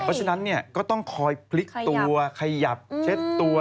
เพราะฉะนั้นก็ต้องคอยพลิกตัวขยับเช็ดตัว